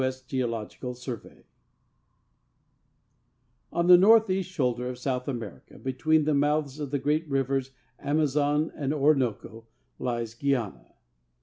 S. Geological Survey On the northeast shoulder of South America, between the mouths of the great rivers Amazon and Orinoco, lies Guiana.